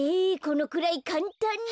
このくらいかんたんに。